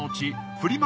フリマ